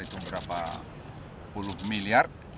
itu berapa puluh miliar